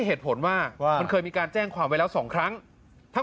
เหตุผลว่ามันเคยมีการแจ้งความไว้แล้วสองครั้งทั้ง